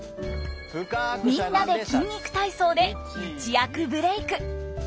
「みんなで筋肉体操」で一躍ブレーク。